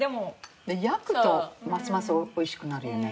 焼くとますます美味しくなるよね。